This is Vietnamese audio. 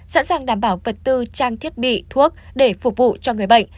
sẵn sàng đảm bảo vật tư trang thiết bị thuốc để phục vụ cho người bệnh